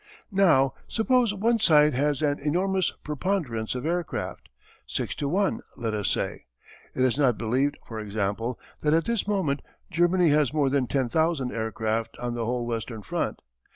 Now suppose one side has an enormous preponderance of aircraft six to one, let us say. It is not believed, for example, that at this moment Germany has more than 10,000 aircraft on the whole western front.